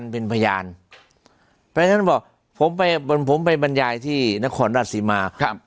เพราะฉะนั้นบอกผมไปบั่นผมไปบรรยายที่นครรัฐศรีมาครับ